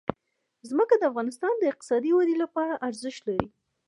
ځمکه د افغانستان د اقتصادي ودې لپاره ارزښت لري.